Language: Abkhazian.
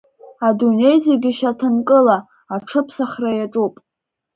Адунеи зегьы шьаҭанкыла аҽыԥсахра иаҿуп.